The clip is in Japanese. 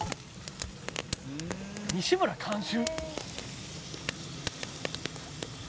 「“西村監修”！？」